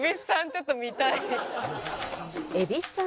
ちょっと見たい。